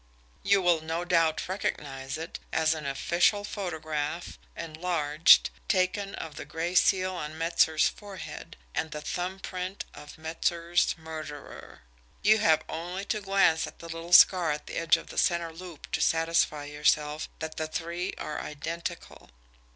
"You will no doubt recognise it as an official photograph, enlarged, taken of the gray seal on Metzer's forehead AND THE THUMB PRINT OF METZER'S MURDERER. You have only to glance at the little scar at the edge of the centre loop to satisfy yourself that the three are identical.